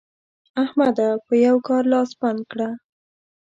احمده! په یوه کار لاس بنده کړه.